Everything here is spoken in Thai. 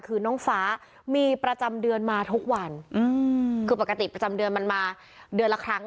คือน้องฟ้ามีประจำเดือนมาทุกวันอืมคือปกติประจำเดือนมันมาเดือนละครั้ง